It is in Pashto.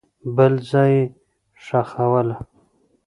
بل ځای یې ښخوله.